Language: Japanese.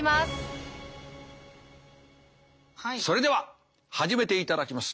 それでは始めていただきます。